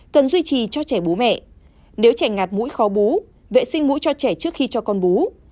cần duy trì cho trẻ bố mẹ nếu trẻ ngạt mũi khó bú vệ sinh mũi cho trẻ trước khi cho con bú